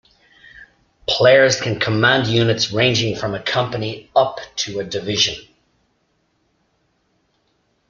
Players can command units ranging from a company up to a division.